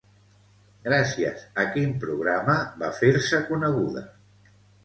Gràcies a quin programa va fer-se coneguda?